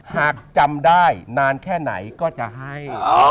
หากจำได้นานแค่ไหนก็จะให้